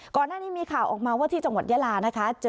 ก่อนหน้านี้มีข่าวออกมาว่าที่จังหวัดยาลานะคะ